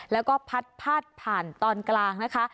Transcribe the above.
แล้วก็พัดพาดผ่านตอนกลางนะคะ